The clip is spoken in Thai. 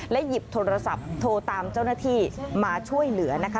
หยิบโทรศัพท์โทรตามเจ้าหน้าที่มาช่วยเหลือนะคะ